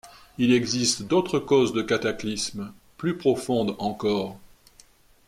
Il existe d’autres causes de cataclysme, plus profondes encore.